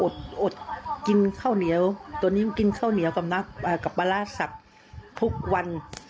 ตอนนี้กูอดกินข้าวเหนียวกับมะระสับทุกวัน